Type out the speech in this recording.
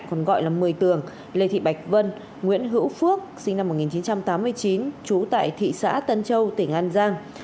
còn gọi là mười tường lê thị bạch vân nguyễn hữu phước sinh năm một nghìn chín trăm tám mươi chín trú tại thị xã tân châu tỉnh an giang